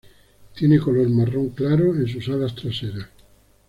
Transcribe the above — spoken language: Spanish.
Tiene color marrón claro en sus alas traseras.